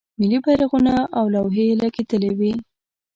ملی بیرغونه او لوحې لګیدلې وې.